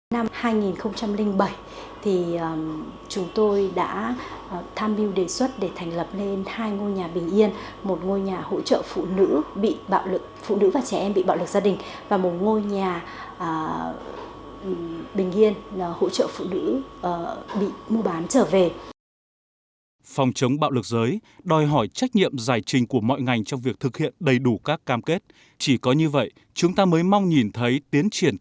năm hai nghìn bảy thì chúng tôi đã tham biểu đề xuất để thành lập lên hai ngôi nhà bình yên